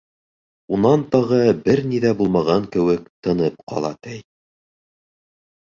Унан тағы бер ни ҙә булмаған кеүек тынып ҡала, ти.